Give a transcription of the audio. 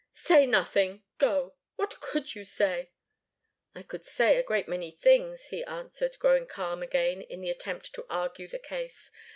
"Say nothing go what could you say?" "I could say a great many things," he answered, growing calm again in the attempt to argue the case.